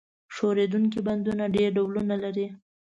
ښورېدونکي بندونه ډېر ډولونه لري.